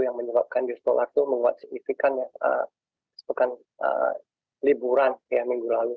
yang menyebabkan dolar itu membuat signifikan sebuah liburan minggu lalu